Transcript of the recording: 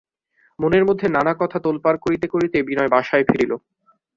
মনের মধ্যে নানা কথা তোলপাড় করিতে করিতে বিনয় বাসায় ফিরিল।